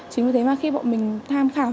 chính vì thế mà khi bọn mình tham khảo